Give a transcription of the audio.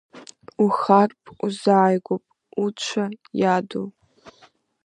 Ухарԥ узааигәоуп уцәа иаду.